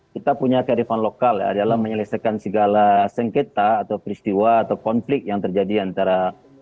kita punya kearifan lokal adalah menyelesaikan segala sengketa atau peristiwa atau konflik yang terjadi antara